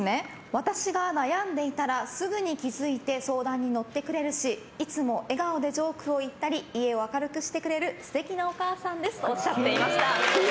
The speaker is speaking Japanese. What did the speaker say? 私が悩んでいたらすぐに気付いて相談に乗ってくれるしいつも笑顔でジョークを言ったり家を明るくしてくれる素敵なお母さんですとおっしゃっていました。